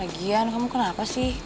lagian kamu kenapa sih